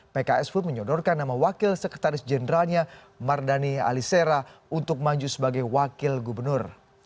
pks pun menyodorkan nama wakil sekretaris jenderalnya mardani alisera untuk maju sebagai wakil gubernur